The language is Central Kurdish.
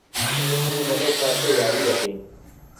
ئێمە لەو پارکە یاری دەکەین.